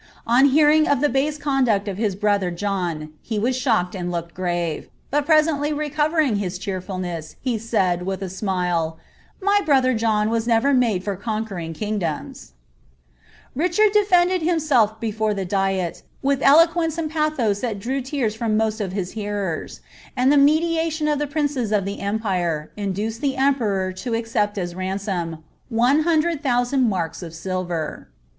OS hearing of the base conduct of his brotlier John, he was shocked wi looked grave ; but presently recovering his cheerfulness, lie laid, will) ■ smile, "My brother John was never made for contjneriag kli^ « iffrfr BBRBNGARIA OF NAYARRB. 31 Richftrd defended himself before the diet, with eloquence and pathos [hat drew tears from most of his hearers; and the mediation of the princes of the empire induced the emperor to accept as ransom, one hundred thousand marks of silver.